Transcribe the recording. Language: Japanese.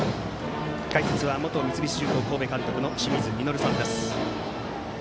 解説は元三菱重工神戸監督の清水稔さんです。